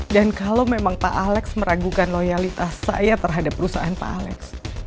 dan kalau memang pak alex meragukan loyalitas saya terhadap perusahaan pak alex